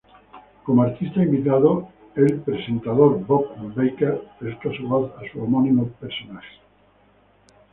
Como artista invitado, el presentador Bob Barker presta su voz a su homónimo personaje.